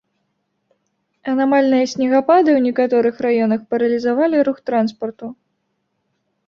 Анамальныя снегапады ў некаторых раёнах паралізавалі рух транспарту.